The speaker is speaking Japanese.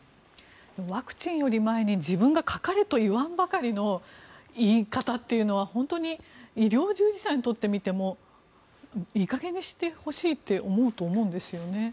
ワクチンより前に自分がかかれと言わんばかりの言い方というのは本当に医療従事者にとってみてもいい加減にしてほしいって思うと思うんですね。